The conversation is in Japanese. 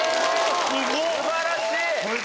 素晴らしい！